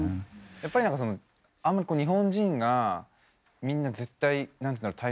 やっぱりなんかそのあんまこう日本人がみんな絶対何ていうんだろう